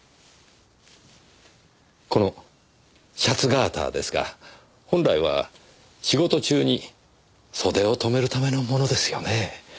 このシャツガーターですが本来は仕事中に袖を留めるためのものですよね？